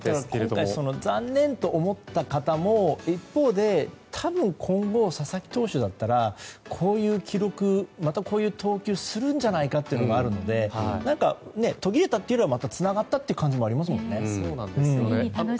今回、残念と思った方も一方で今後、佐々木投手だったらこういう記録、こういう投球をまたするんじゃないかという期待があるので何か途切れたというよりはまたつながったという感じもありますよね。